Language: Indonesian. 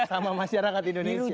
sama masyarakat indonesia